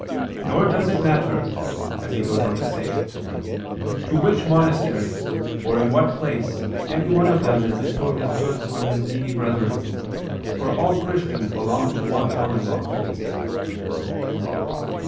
Nor does it matter, as he goes on to say, to which monasteries, or in what place any one of them has bestowed his goods on his needy brethren; for all Christians belong to one commonwealth."